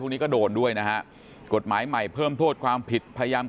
พวกนี้ก็โดนด้วยนะฮะกฎหมายใหม่เพิ่มโทษความผิดพยายาม